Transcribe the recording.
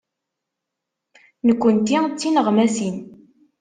Nekkenti d tineɣmasin.